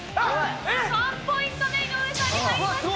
３ポイント目、井上さんに入りました。